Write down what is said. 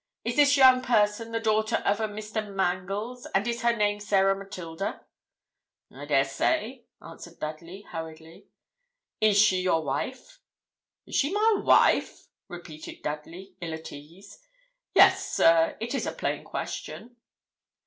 Is this young person the daughter of a Mr. Mangles, and is her name Sarah Matilda?' 'I dessay,' answered Dudley, hurriedly. 'Is she your wife?' 'Is she my wife?' repeated Dudley, ill at ease. 'Yes, sir; it is a plain question.'